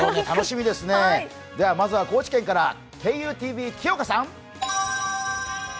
まずは高知県からＫＵＴＶ、木岡さん。